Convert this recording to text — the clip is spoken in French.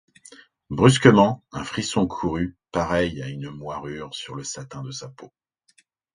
Brusquement, un frisson courut, pareil à une moire sur le satin de sa peau.